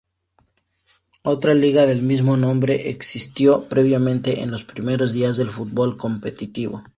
Otra liga del mismo nombre existió previamente en los primeros días del fútbol competitivo.